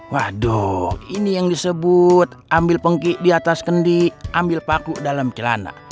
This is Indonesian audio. waduh ini yang disebut ambil pengki di atas kendi ambil paku dalam celana